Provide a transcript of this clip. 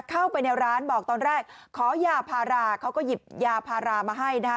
เข้าไปในร้านบอกตอนแรกขอยาพาราเขาก็หยิบยาพารามาให้นะฮะ